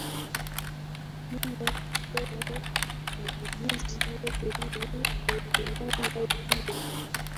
u ya kutoa uamuzi juu ya dhamana hiyo